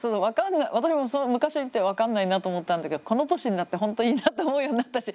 私も昔に行って分かんないなと思ったんだけどこの年になって本当いいなと思うようになったし。